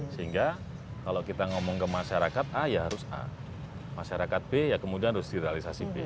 sehingga kalau kita ngomong ke masyarakat a ya harus a masyarakat b ya kemudian harus direalisasi b